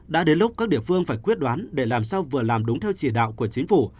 đã đến lúc các địa phương phải quyết đoán để làm sao vừa làm đúng theo chỉ đạo của chính phủ